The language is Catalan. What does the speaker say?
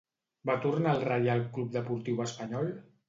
Va tornar al Reial Club Deportiu Espanyol?